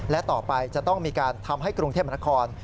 และต่อไปจะต้องมีการทำให้กรุงเทพมนาคม